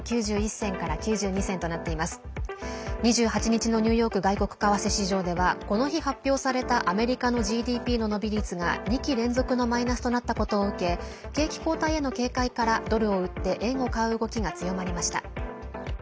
２８日のニューヨーク外国為替市場ではこの日、発表されたアメリカのＧＤＰの伸び率が２期連続のマイナスとなったことを受け景気後退への警戒からドルを売って円を買う動きが強まりました。